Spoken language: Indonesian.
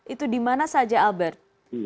itu di mana saja albert